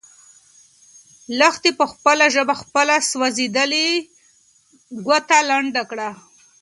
لښتې په خپله ژبه خپله سوځېدلې ګوته لنده کړه.